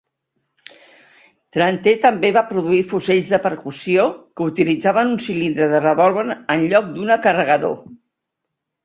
Tranter també va produir fusells de percussió que utilitzaven un cilindre de revòlver en lloc d'una carregador.